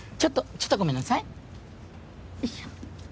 ちょっとごめんなさい。